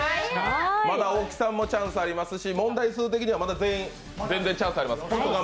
まだ大木さんもチャンスありますし問題数的には全然チャンスあります。